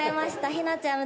ひなちゃむ！